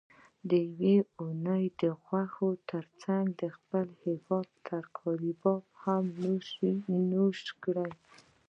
یوه اونۍ د غوښو ترڅنګ د خپل وطن ترکاري باب هم نوش کړئ